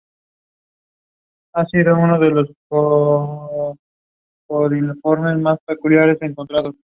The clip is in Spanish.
Stanley ha sido transmitida en Playhouse Disney.